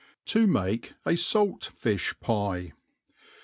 To make a Salt Fijh Pie.